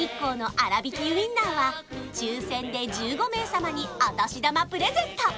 あらびきウインナーは抽選で１５名様にお年玉プレゼント！